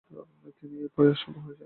তিনি এই প্রয়াসে সফল হয়েছিলেন।